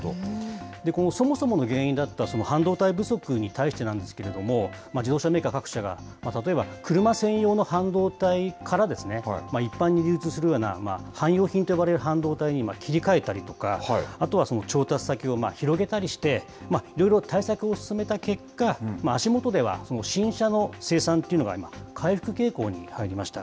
このそもそもの原因だった半導体不足に対してなんですけれども、自動車メーカー各社が、例えば車専用の半導体から一般に流通するような汎用品と呼ばれる半導体に切り替えたりとか、あとは調達先を広げたりして、いろいろ対策を進めた結果、足元では新車の生産というのが今、回復傾向に入りました。